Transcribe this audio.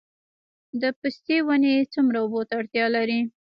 د پستې ونې څومره اوبو ته اړتیا لري؟